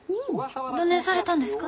どねんされたんですか？